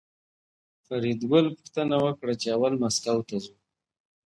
فریدګل پوښتنه وکړه چې اول مسکو ته ځو